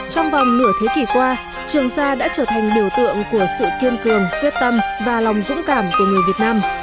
trong vòng nửa thế kỷ qua trường sa đã trở thành biểu tượng của sự kiên cường quyết tâm và lòng dũng cảm của người việt nam